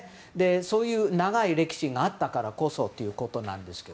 そういう長い歴史があったからこそということですが。